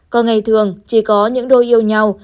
còn ngày thường chỉ có những đôi yêu nhau